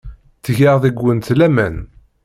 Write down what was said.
Ttgeɣ deg-went laman.